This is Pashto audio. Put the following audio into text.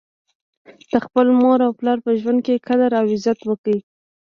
د خپل مور او پلار په ژوند کي قدر او عزت وکړئ